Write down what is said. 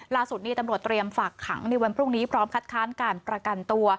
ล่าสุดนี้ตำรวจเตรียมฝากขังในวันพรุ่งนี้พร้อมคัดค้านการประกันตัว